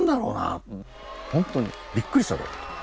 本当にびっくりしたろうと。